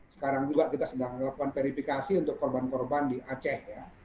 sekarang juga kita sedang melakukan verifikasi untuk korban korban di aceh ya